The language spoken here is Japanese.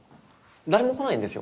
誰も来ないんですよ